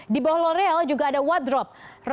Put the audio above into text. di bawah l'oreal juga ada wadrop